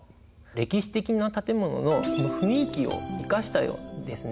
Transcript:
歴史的な建物のこの雰囲気を生かしたようなですね